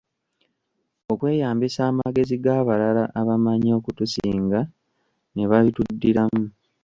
Okweyambisa amagezi g'abalala abamanyi okutusinga ne babituddiramu.